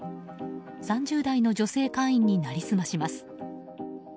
３０代の女性会員に成り済まします。